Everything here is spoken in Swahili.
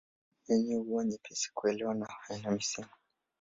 Lugha yenyewe huwa nyepesi kuelewa na haina misimu.